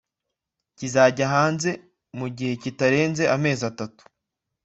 kizajya hanze mu gihe kitarenze amezi atatu